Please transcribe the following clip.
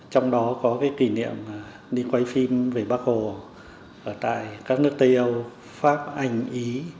trong đó có cái kỷ niệm đi quay phim về bắc hồ ở tại các nước tây âu pháp anh ý